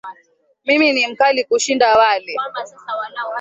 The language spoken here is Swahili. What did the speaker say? Mimi ni mkali kushinda wale